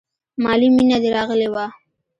مالې مينه دې راغلې وه.